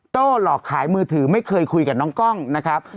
หลอกขายมือถือไม่เคยคุยกับน้องกล้องนะครับ